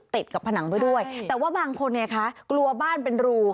ติดกับผนังไปด้วยแต่ว่าบางคนไงคะกลัวบ้านเป็นรู